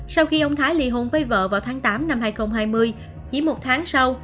sau khi ông thái ly hôn với vợ vào tháng tám năm hai nghìn hai mươi chỉ một tháng sau